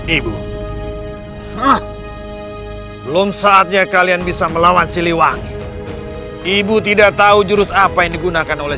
ibu belum saatnya kalian bisa melawan siliwangi ibu tidak tahu jurus apa yang digunakan oleh